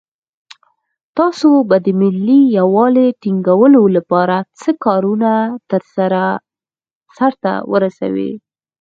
تاسو به د ملي یووالي ټینګولو لپاره څه کارونه سرته ورسوئ.